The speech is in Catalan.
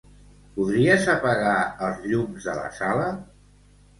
Podries apagar els llums de la sala?